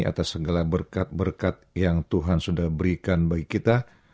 atas segala berkat berkat yang tuhan sudah berikan bagi kita